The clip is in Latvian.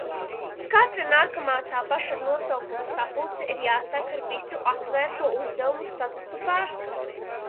Katra nākamā tā paša nosaukuma sapulce ir jāsāk ar visu atvērto uzdevumu statusu pārskatu.